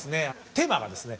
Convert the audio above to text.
テーマがですね